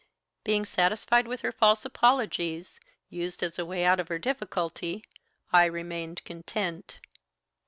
Being satisfied with her false apologies, used as a way out of her difficulty, I remained content.